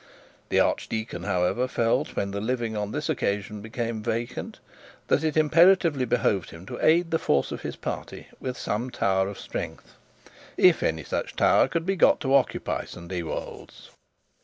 The archdeacon, however, felt, when the living on this occasion became vacant, that it imperatively behoved him to aid the force of his party with some tower of strength, if any such tower could be got to occupy St Ewold's.